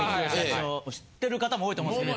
知ってる方も多いと思うんですけど。